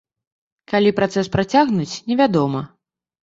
Калі працэс працягнуць, невядома.